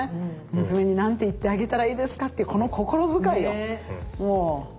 娘に何て言ってあげたらいいですかっていうこの心遣いよ。